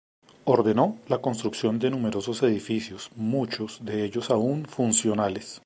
Ordenó la construcción de numerosos edificios, muchos de ellos aún funcionales.